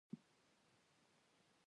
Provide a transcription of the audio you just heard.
مېلمستون ته ننوتلو.